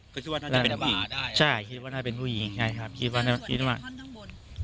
ก็คิดว่าน่าจะเป็นผู้หญิงใช่คิดว่าน่าจะเป็นผู้หญิงใช่ครับคิดว่าน่าจะคิดว่าท่อนข้างบน